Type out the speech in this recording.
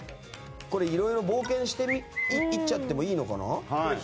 いろいろ冒険していっちゃってもいいのかな？